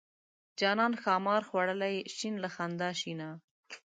جانان ښامار خوړلی شین له خندا شینه.